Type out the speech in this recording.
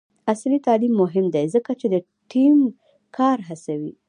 عصري تعلیم مهم دی ځکه چې د ټیم کار هڅوي.